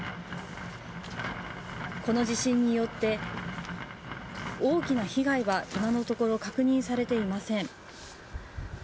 この地震によって大きな被害は今のところ確認されていません。